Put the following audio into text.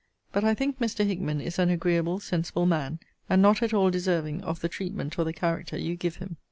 But I think Mr. Hickman is an agreeable, sensible man, and not at all deserving of the treatment or the character you give him.